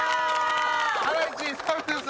ハライチ澤部です。